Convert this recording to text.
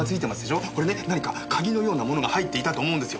これね何か鍵のようなものが入っていたと思うんですよ。